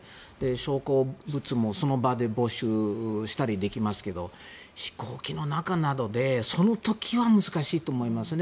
証拠物もその場で没収したりできますけど飛行機の中などでその時は難しいと思いますね。